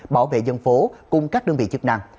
bảo vệ dân phố cùng các đơn vị chức năng